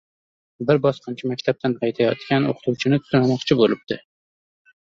Bir bosqinchi maktabdan qaytayotgan oʻqituvchini tunamoqchi boʻlibdi.